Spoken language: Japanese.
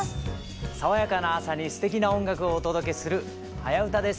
爽やかな朝にすてきな音楽をお届けする「はやウタ」です。